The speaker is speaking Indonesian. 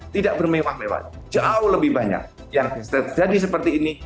tidak bermewah mewah jauh lebih banyak yang bisa terjadi seperti ini